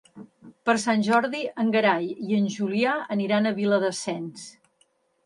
Per Sant Jordi en Gerai i en Julià aniran a Viladasens.